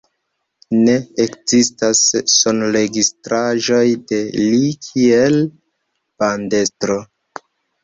Ne ekzistas sonregistraĵoj de li kiel bandestro.